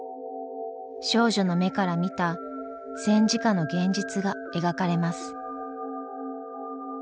少女の目から見た戦時下の現実が描かれます。